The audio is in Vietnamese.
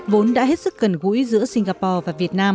vốn đã hết sức gần gũi giữa singapore và việt nam